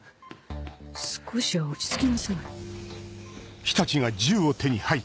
少しは落ち着きなさい。